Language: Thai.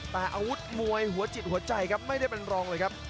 แต่อาวุธมวยหัวจิตหัวใจครับไม่ได้เป็นรองเลยครับ